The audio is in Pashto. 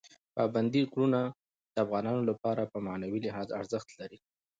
پابندي غرونه د افغانانو لپاره په معنوي لحاظ ارزښت لري.